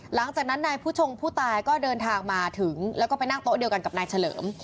หลังจากนั้นนายผู้ชงผู้ตายก็เดินทางมาถึงแล้วก็ไปนั่งโต๊ะเดียวกันกับนายเฉลิม